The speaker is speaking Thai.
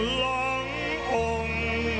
ล้างอ่ม